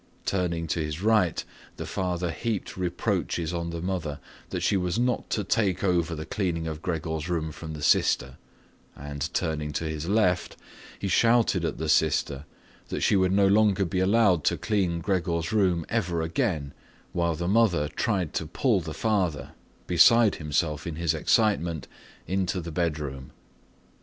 Turning to his right, the father heaped reproaches on the mother that she was not to take over the cleaning of Gregor's room from the sister and, turning to his left, he shouted at the sister that she would no longer be allowed to clean Gregor's room ever again, while the mother tried to pull the father, beside himself in his excitement, into the bed room.